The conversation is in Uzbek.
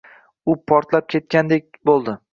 Bu portlab ketgandek bo’ldi.